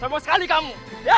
semoga sekali kamu